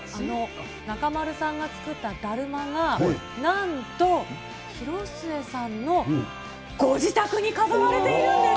中丸さんが作っただるまが、なんと、広末さんのご自宅に飾られているんです。